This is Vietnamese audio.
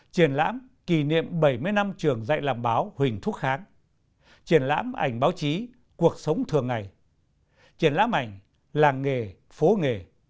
triển lãm kỷ niệm bảy mươi năm trường dạy làm báo huỳnh thúc kháng triển lãm ảnh báo chí cuộc sống thường ngày triển lãm ảnh làng nghề phố nghề